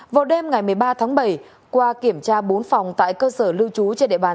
vào đêm ngày một mươi ba tháng bảy qua kiểm tra bốn phòng tại cơ sở lưu trú trên địa bàn